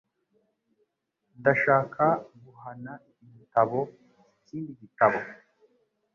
Ndashaka guhana iki gitabo ikindi gitabo.